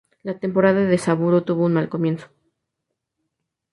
La temporada de Subaru tuvo un mal comienzo.